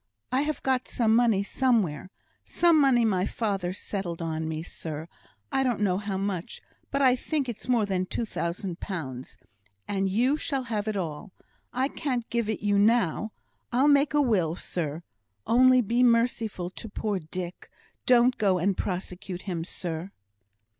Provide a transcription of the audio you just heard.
I have got some money somewhere some money my father settled on me, sir; I don't know how much, but I think it's more than two thousand pounds, and you shall have it all. If I can't give it you now, I'll make a will, sir. Only be merciful to poor Dick don't go and prosecute him, sir."